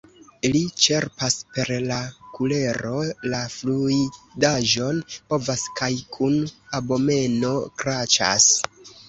Li ĉerpas per la kulero la fluidaĵon, provas kaj kun abomeno kraĉas.